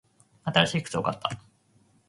新しい靴を買った。